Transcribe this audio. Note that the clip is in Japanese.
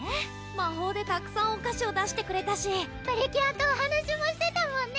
魔法でたくさんお菓子を出してくれたしプリキュアとお話もしてたもんね